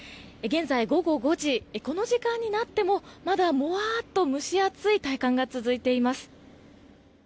現在午後５時この時間になってもまだもわっとした蒸し暑い体感が続いています。